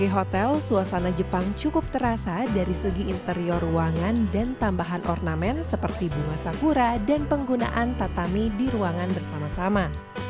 di hotel suasana jepang cukup terasa dari segi interior ruangan dan tambahan ornamen seperti bunga sakura dan penggunaan tatami di ruangan bersama sama